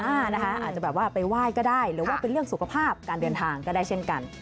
อาจจะแบบว่าไปไหว้ก็ได้หรือว่าเป็นเรื่องสุขภาพการเดินทางก็ได้เช่นกัน